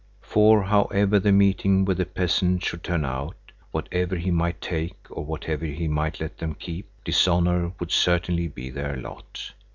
For, however the meeting with the peasant should turn out, whatever he might take or whatever he might let them keep, dishonor would certainly be their lot.